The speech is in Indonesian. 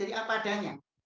jadi apa adanya